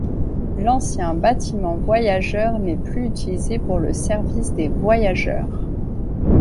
L'ancien bâtiment voyageurs n'est plus utilisé pour le service des voyageurs.